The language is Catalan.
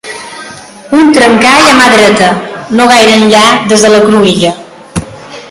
Un trencall a mà dreta, no gaire enllà des de la cruïlla.